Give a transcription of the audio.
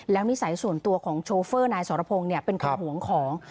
แล้วนิสัยส่วนตัวของโชเฟอร์นายสรพงศ์เป็นคนหวงของ